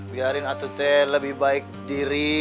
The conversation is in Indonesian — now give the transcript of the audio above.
biarin atletnya lebih baik diri